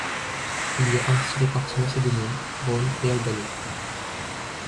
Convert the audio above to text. Il y a ainsi les partis macédoniens, roms et albanais.